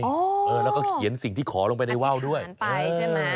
อ๋อปฏิภัณฑ์ไปใช่ไหมแล้วก็เขียนสิ่งที่ขอลงไปในว้าวด้วยอัฐิทานไปใช่ไหม